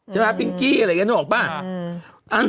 ปิงกี้อะไรอย่างนี้นึกออกป่ะ